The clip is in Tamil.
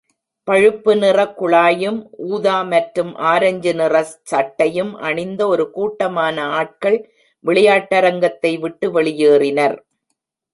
பழுப்பு நிற குழாயும், ஊதா, மற்றும் ஆரஞ்சு நிறசட்டையும் அணிந்த ஒருகூட்டமான ஆட்கள் விளையாட்டரங்கத்தை விட்டு வெளியேறினர்